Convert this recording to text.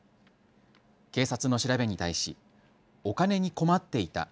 警察の調べに対し、お金に困っていた。